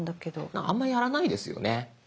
あんまりやらないですよね。